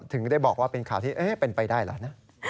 ถึงได้บอกว่าเป็นข่าวที่เป็นไปได้เหรอนะ